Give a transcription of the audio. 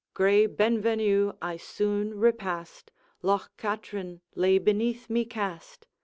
Gray Benvenue I soon repassed, Loch Katrine lay beneath me cast.